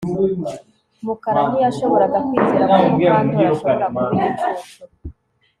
Mukara ntiyashoboraga kwizera ko Mukandoli ashobora kuba igicucu